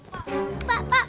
pak pak pak